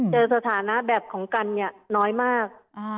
สถานะแบบของกันเนี่ยน้อยมาก